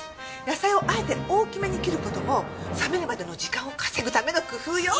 野菜をあえて大きめに切る事も冷めるまでの時間を稼ぐための工夫よ。